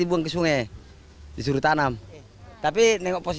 kemudian mewabah hingga menyebabkan sekitar lima ratus ternak babi mati